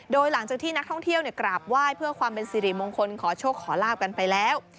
โดยหลังจากที่นักท่องเที่ยวกราบไหว้เพื่อความเป็นสิริมงคลขอโชคขอลาบกันไปแล้ว